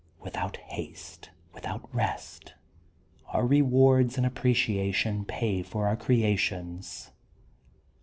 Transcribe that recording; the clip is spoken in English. Without haste, without rest, our rewards and appreciatioois pay for our creations.